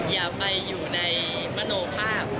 อย่าไปอยู่ในมโนภาพ